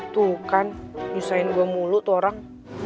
tuh kan nyeselin gue mulu tuh orang